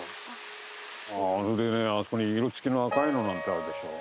あそこに色つきの赤いのなんてあるでしょ